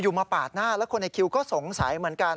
มาปาดหน้าแล้วคนในคิวก็สงสัยเหมือนกัน